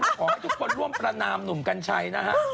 ขอให้ทุกคนร่วมประนามหนุ่มกัญชัยนะฮะ